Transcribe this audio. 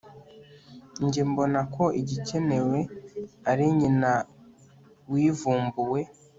njye mbona ko igikenewe ari nyina wivumbuwe